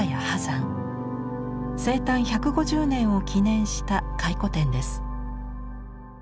生誕１５０年を記念した回顧展です。